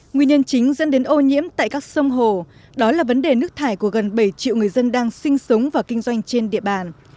nguyên nhân chính dẫn đến ô nhiễm tại các sông hồ đó là vấn đề nước thải của gần bảy triệu người dân đang sinh sống và kinh doanh trên địa bàn